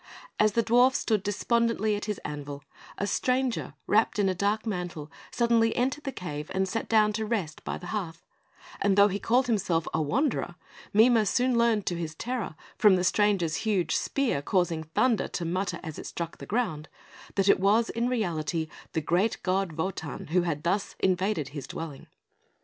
As the dwarf stood despondently at his anvil, a stranger, wrapped in a dark mantle, suddenly entered the cave and sat down to rest by the hearth; and though he called himself a Wanderer, Mime soon learnt to his terror, from the stranger's huge spear causing thunder to mutter as it struck the ground, that it was in reality the great god Wotan who had thus invaded his dwelling.